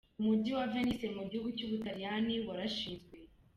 Umujyi wa Venice mu gihugu cy’u Butaliyani warashinzwe.